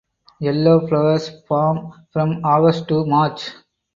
Yellow flowers form from August to March.